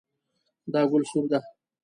دا ګل سور ده